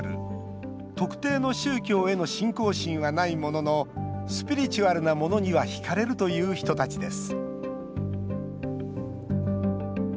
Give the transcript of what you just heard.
特定の宗教への信仰心はないもののスピリチュアルなものにはひかれるという人たちです